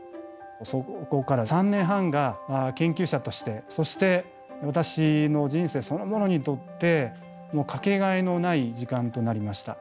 そこから３年半が研究者としてそして私の人生そのものにとって掛けがえのない時間となりました。